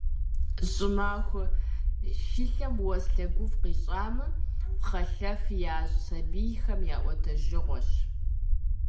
ЩӀымахуэ шылэм уэс лъэгуфӀ къищӀамэ, пхъэлъэф ящӀ, сабийхэм я Ӏуэтэжыгъуэщ.